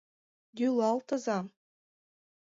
Йӱлалтыза!